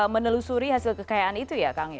menelusuri hasil kekayaan itu ya kang